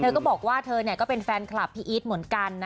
เธอก็บอกว่าคิดว่าเธอก็เป็นแฟนคลับพี่เอสเหมือนกัน